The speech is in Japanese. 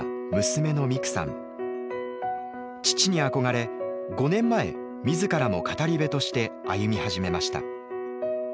父に憧れ５年前自らも語り部として歩み始めました。